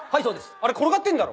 あれ転がってんだろ？